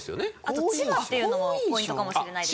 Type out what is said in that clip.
あと千葉っていうのもポイントかもしれないですね。